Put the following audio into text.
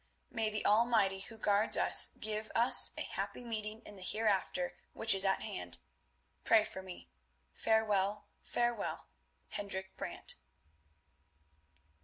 May the Almighty who guards us give us a happy meeting in the hereafter which is at hand. Pray for me. Farewell, farewell.—HENDRIK BRANT.